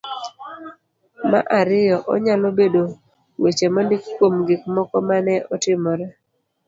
ma ariyo .Onyalo bedo weche mondiki kuom gik moko ma ne otimore.